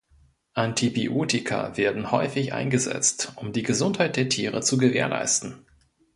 Antibiotika werden häufig eingesetzt, um die Gesundheit der Tiere zu gewährleisten.